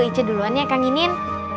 ice duluan ya kang inin